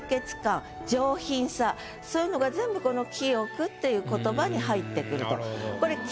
そういうのが全部この「清く」っていう言葉に入ってくるとこれ。